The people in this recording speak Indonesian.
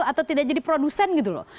atau tidak jadi produsen gitu loh